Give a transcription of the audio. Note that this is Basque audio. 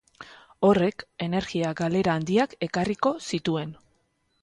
Horrek energia galera handiak ekarriko zituen.